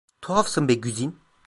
Tuhafsın be Güzin!